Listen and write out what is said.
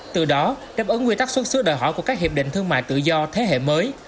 từ đó đáp ứng quy tắc xuất xứ đòi hỏi của các hiệp định thương mại tự do thế hệ mới